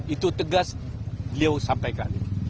itu tegas beliau sampaikan